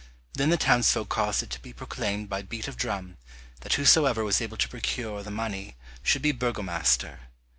Then the townsfolk caused it to be proclaimed by beat of drum that whosoever was able to procure the money should be burgomaster.